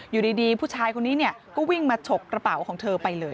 อยู่ดีผู้ชายคนนี้ก็วิ่งมาฉกกระเป๋าของเธอไปเลย